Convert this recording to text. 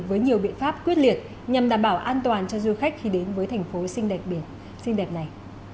với nhiều biện pháp quyết liệt nhằm đảm bảo an toàn cho du khách khi đến với thành phố xinh đẹp xinh đẹp này